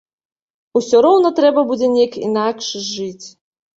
Усё роўна трэба будзе нейк інакш жыць.